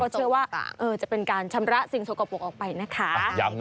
เชื่อว่าจะเป็นการชำระสิ่งสกปรกออกไปนะคะ